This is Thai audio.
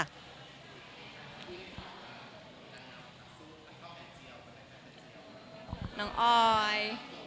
น้องออย